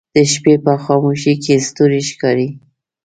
د شپې په خاموشۍ کې ستوری ښکاري